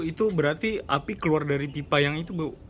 itu berarti api keluar dari pipa yang itu bu